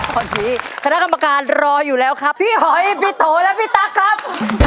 ตอนนี้คณะกรรมการรออยู่แล้วครับพี่หอยพี่โตและพี่ตั๊กครับ